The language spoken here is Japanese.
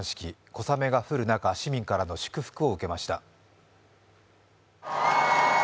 小雨が降る中、市民からの祝福を受けました。